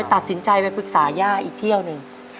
ตัดสินใจไปปรึกษาย่าอีกเที่ยวหนึ่ง